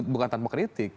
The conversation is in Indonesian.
bukan tanpa kritik